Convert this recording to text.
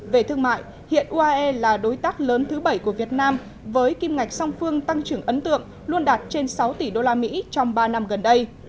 về thương mại hiện uae là đối tác lớn thứ bảy của việt nam với kim ngạch song phương tăng trưởng ấn tượng luôn đạt trên sáu tỷ usd trong ba năm gần đây